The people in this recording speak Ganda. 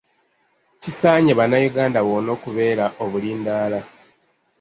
Kisaanye Bannayuganda bonna okubeera obulindaala.